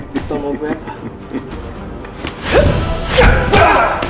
lu tau mau gue apa